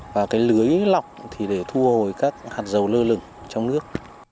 và lưới lọc để thu hồi các hạt dầu lơ lửng trong nước